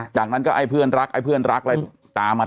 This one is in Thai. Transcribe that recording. จากนั้นก็ไอ้เพื่อนรักไอ้เพื่อนรักตามมาเต็มเลย